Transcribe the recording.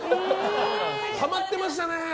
たまってましたね！